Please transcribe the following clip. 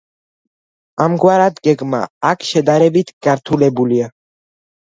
ამგვარად, გეგმა აქ შედარებით გართულებულია.